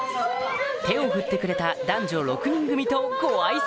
手を振ってくれた男女６人組とご相席！